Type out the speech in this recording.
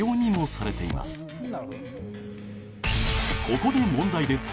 ここで問題です。